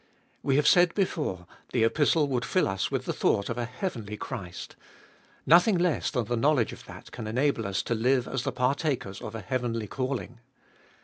We have said before, the Epistle would fill us with the thought of a heavenly Christ ; nothing less than the knowledge of that can enable us to live as the partakers of a heavenly calling.